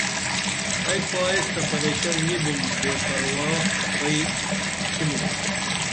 ائی کائس تے پریشن نی بُم بے پروا بئی تِھنُم